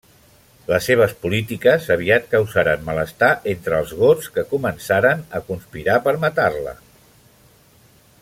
Les seves polítiques aviat causaren malestar entre els gots, que començaren a conspirar per matar-la.